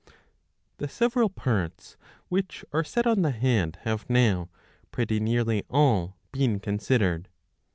The several parts which are set on the head have now, pretty nearly all, been considered.